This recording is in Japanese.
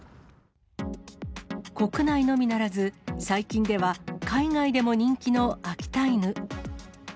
国内のみならず、最近では海外でも人気の秋田犬。